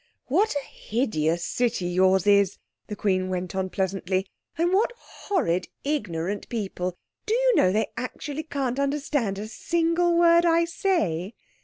"What a hideous city yours is," the Queen went on pleasantly, "and what horrid, ignorant people. Do you know they actually can't understand a single word I say."